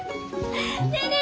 ねえねえ